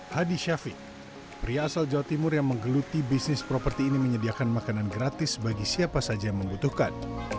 hadi syafiq pria asal jawa timur yang menggeluti bisnis properti ini menyediakan makanan gratis bagi siapa saja yang membutuhkan